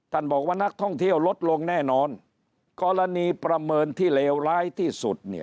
บอกว่านักท่องเที่ยวลดลงแน่นอนกรณีประเมินที่เลวร้ายที่สุดเนี่ย